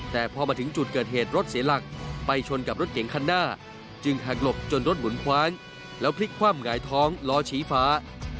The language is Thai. แต่พอมาถึงจุดเกิดเหตุรถเสียหลักไปชนกับรถเก๋งคันหน้าจึงหักหลบจนรถหมุนคว้างแล้วพลิกคว่ำหงายท้องล้อชี้ฟ้า